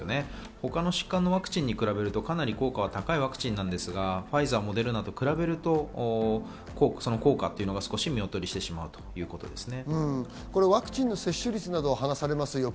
他の疾患のワクチンに比べると、かなり効果が高いワクチンですが、ファイザー、モデルナと比べると効果というのが見劣りしてしまうということですね。